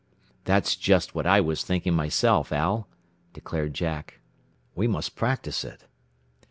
"That's just what I was thinking myself, Al," declared Jack. "We must practice it."